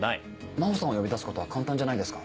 真帆さんを呼び出すことは簡単じゃないですか？